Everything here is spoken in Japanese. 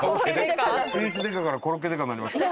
スイーツ刑事からコロッケ刑事になりました。